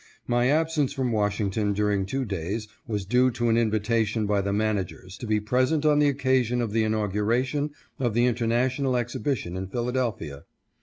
My absence from Wash ington during two days was due to an invitation by the managers to be present on the occasion of the inauguration of the International Exhibition in Philadelphia.